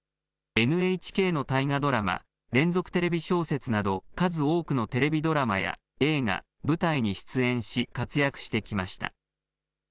ＮＨＫの大河ドラマ、連続テレビ小説など、数多くのテレビドラマや映画、舞台に出演し、活躍してきました。